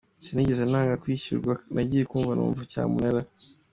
Sinigeze nanga kwishyura nagiye kumva numva cyamunara.